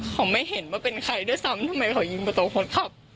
เขาไม่เห็นว่าเป็นใครด้วยซ้ำทำไมเขายิงประตูคนขับ